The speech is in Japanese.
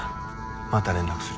また連絡する。